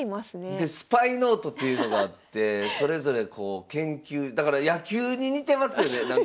でスパイノートっていうのがあってそれぞれこう研究だから野球に似てますよねなんか。